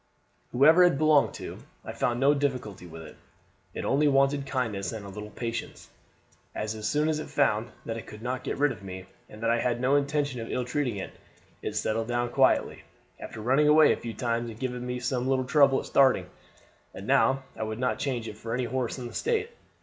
Who ever it had belonged to, I found no difficulty with it. It only wanted kindness and a little patience; and as soon as it found that it could not get rid of me, and that I had no intention of ill treating it, it settled down quietly, after running away a few times and giving me some little trouble at starting. And now I would not change it for any horse in the State."